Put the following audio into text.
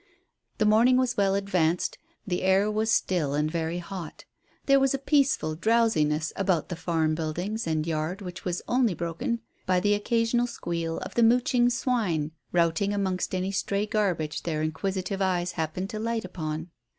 The morning was well advanced. The air was still and very hot. There was a peaceful drowsiness about the farm buildings and yard which was only broken by the occasional squeal of the mouching swine routing amongst any stray garbage their inquisitive eyes happened to light upon.